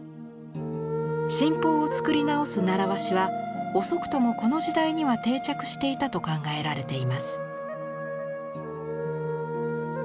神宝を作り直す習わしは遅くともこの時代には定着していたと考えられています。